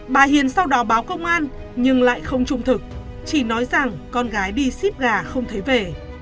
bà hiền sau đó báo công an nhưng lại không trung thực chỉ nói rằng con gái đi ship gà không thấy về